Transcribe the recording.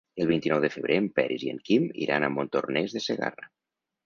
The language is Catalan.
El vint-i-nou de febrer en Peris i en Quim iran a Montornès de Segarra.